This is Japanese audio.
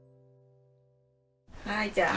はいじゃあ。